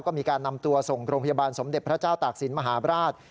ก็มีการนำตัวส่งโรงพยาบาลสมเด็จพระเจ้าตากศิลปราช